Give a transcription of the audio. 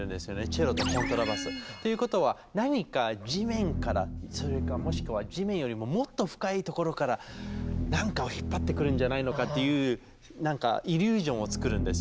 チェロとコントラバス。ということは何か地面からそれかもしくは地面よりももっと深い所からなんかを引っ張ってくるんじゃないのかっていうイリュージョンを作るんですよ